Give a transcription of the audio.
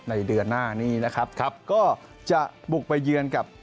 ในเดือนหน้านี้นะครับครับก็จะบุกไปเยือนกับ